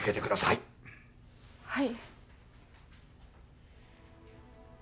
はい。